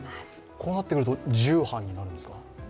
こうなってくると重版になるんですか？